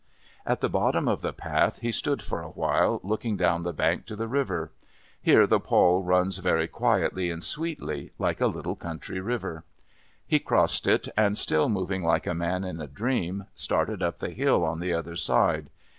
At the bottom of the path he stood for a while looking down the bank to the river; here the Pol runs very quietly and sweetly, like a little country river. He crossed it and, still moving like a man in a dream, started up the hill on the other side.